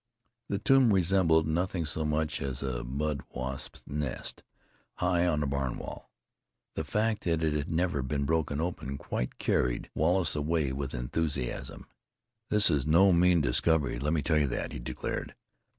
The tomb resembled nothing so much as a mud wasp's nest, high on a barn wall. The fact that it had never been broken open quite carried Wallace away with enthusiasm. "This is no mean discovery, let me tell you that," he declared.